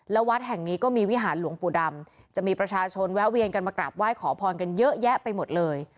แล้ววัดแห่งนี้ก็มีวิหารหลวงปู่ดำจะมีประชาชนแวะเวียนกันมากราบไหว้ขอพรกันเยอะแยะไปหมดเลย